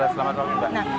selamat pagi mbak